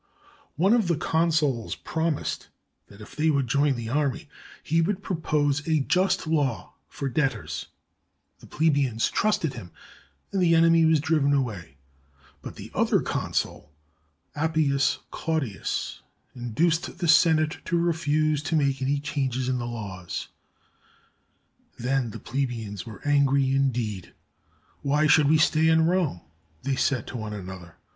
One of the consuls promised that if they would join the army, he would propose a just law for debtors. The plebeians trusted him, and the enemy was driven away; but the other consul, Appius Claudius, induced 292 HOW THE PLEBEIANS WON THEIR RIGHTS the Senate to refuse to make any change in the laws. Then the plebeians were angry indeed. "Why should we stay in Rome?" they said to one another.